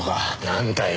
なんだよ？